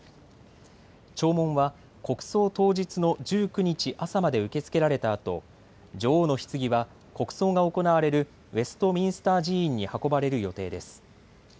弔問は国葬当日の１９日朝まで受け付けられたあと女王のひつぎは国葬が行われるウェストミンスター寺院に運ばれる予定です。